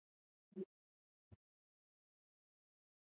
Anaendelea kuwaambia wakenya kwamba